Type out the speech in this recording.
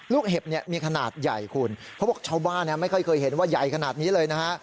เห็บเนี่ยมีขนาดใหญ่คุณเขาบอกชาวบ้านไม่ค่อยเคยเห็นว่าใหญ่ขนาดนี้เลยนะฮะ